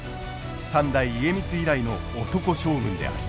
三代家光以来の男将軍である。